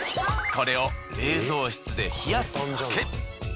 これを冷蔵室で冷やすだけ。